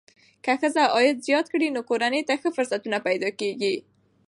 که ښځه عاید زیات کړي، نو کورنۍ ته ښه فرصتونه پیدا کېږي.